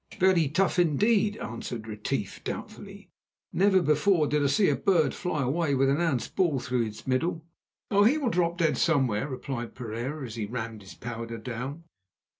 "Very tough indeed," answered Retief doubtfully. "Never before did I see a bird fly away with an ounce ball through its middle." "Oh! he will drop dead somewhere," replied Pereira as he rammed his powder down.